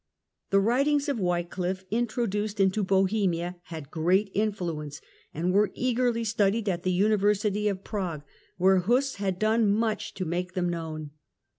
The writings of Wycliffe introduced into Bohemia had great influence and were eagerly studied at the University of Prague where Huss had done much to make them known.